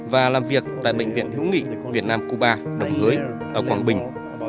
và làm việc tại bệnh viện hữu nghị việt nam cuba đồng hới ở quảng bình